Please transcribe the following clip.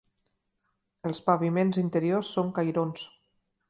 Els paviments interiors són cairons.